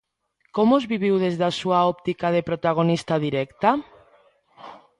Como os viviu desde a súa óptica de protagonista directa?